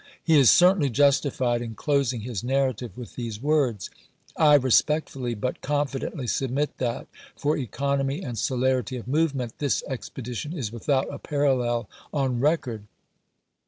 He is certainly justified in closing his narrative with these words : "I respectfully but confidently submit that, for economy and celerity of movement, this expedition is without a parallel on record."